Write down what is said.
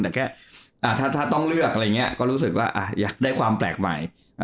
แต่แค่ถ้าต้องเลือกอะไรอย่างนี้ก็รู้สึกว่าอยากได้ความแปลกใหม่